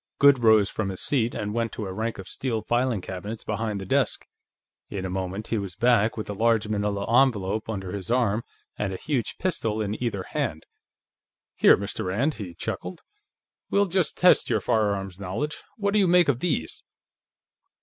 Goode rose from his seat and went to a rank of steel filing cabinets behind the desk. In a moment, he was back, with a large manila envelope under his arm, and a huge pistol in either hand. "Here, Mr. Rand," he chuckled. "We'll just test your firearms knowledge. What do you make of these?"